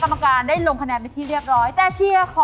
เป็นคะแนนตั้งต้นที่แรกจะได้เท่าไหร่